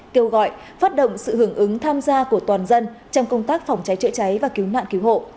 kêu gọi phát động sự hưởng ứng tham gia của toàn dân trong công tác phòng cháy chữa cháy và cứu nạn cứu hộ